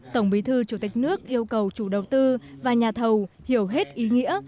tổng bí thư chủ tịch nước yêu cầu chủ đầu tư và nhà thầu hiểu hết ý nghĩa